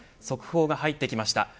速報が入ってきました。